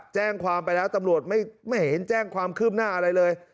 แจ้งความไปแล้วตำรวจไม่เห็นแจ้งความคืบหน้าอะไรเลย